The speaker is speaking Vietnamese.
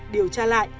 điều tra lại